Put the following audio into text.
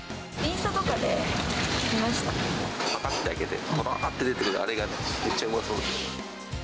ぱかっと開けて、とろっと出てくるあれが、めっちゃうまそうで。